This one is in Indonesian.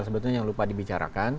sebetulnya yang lupa dibicarakan